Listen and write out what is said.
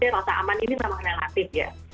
rasa aman ini memang relatif ya